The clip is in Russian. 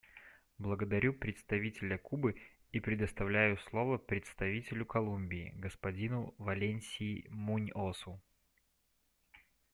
Благодарю представителя Кубы и предоставляю слово представителю Колумбии господину Валенсии Муньосу.